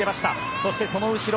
そしてその後ろ